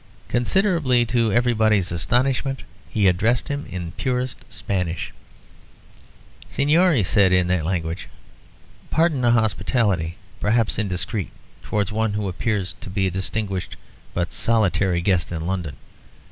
Considerably to everybody's astonishment, he addressed him in the purest Spanish "Señor," he said in that language, "pardon a hospitality, perhaps indiscreet, towards one who appears to be a distinguished, but a solitary guest in London.